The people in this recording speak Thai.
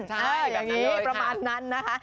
ใช่อย่างนี้ประมาณนั้นนะคะ